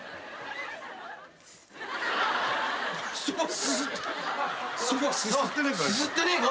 すすってねえか？